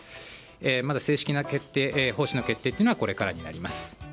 まだ正式な方針の決定はこれからになります。